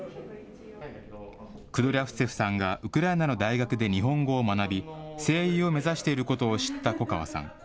クドリャフツェフさんが、ウクライナの大学で日本語を学び、声優を目指していることを知った粉川さん。